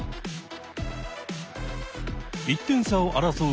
１点差を争う